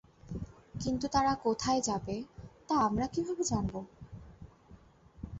কিন্তু তারা কোথায় যাবে তা আমরা কীভাবে জানব?